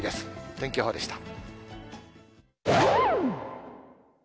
天気予報でした。